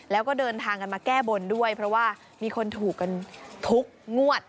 แล้วก็เดินทางกันมาแก้บนด้วยเพราะว่ามีคนถูกกันทุกงวด